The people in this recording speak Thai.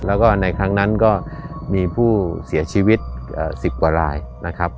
แล้วก็ในครั้งนั้นก็มีผู้เสียชีวิต๑๐กว่ารายนะครับ